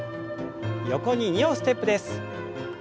横に２歩ステップです。